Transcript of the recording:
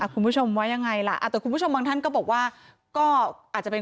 คุณผู้ชมว่ายังไงล่ะแต่คุณผู้ชมบางท่านก็บอกว่าก็อาจจะเป็น